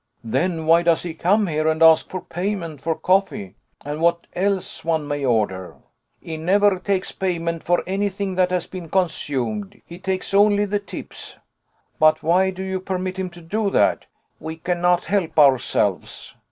"Then why does he come here and ask for payment for coffee and what else one may order?" "He never takes payment for anything that has been consumed. He takes only the tips." "But why do you permit him to do that?" "We cannot help ourselves."